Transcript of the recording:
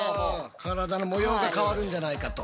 体の模様が変わるんじゃないかと。